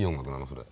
それ。